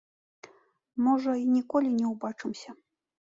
Можа, й ніколі не ўбачымся.